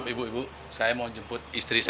ibu ibu saya mau jemput istri saya